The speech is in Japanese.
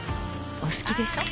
お好きでしょ。